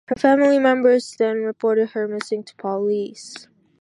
Her family members then reported her missing to police.